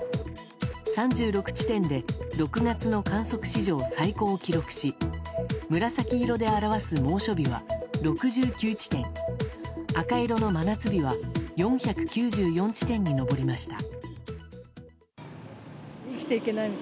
３６地点で６月の観測史上最高を記録し紫色で表す猛暑日は６９地点赤色の真夏日は４９４地点に上りました。